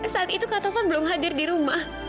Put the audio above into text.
saat itu kak taufan belum hadir di rumah